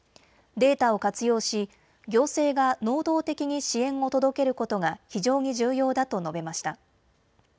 データを活用し行政が能動的に支援を届けることが非常に重要だと述べました。